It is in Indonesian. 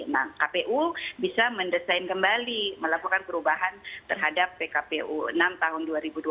nah kpu bisa mendesain kembali melakukan perubahan terhadap pkpu enam tahun dua ribu dua puluh